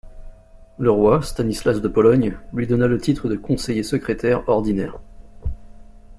Le roi, Stanislas de Pologne, lui donna le titre de conseiller secrétaire ordinaire.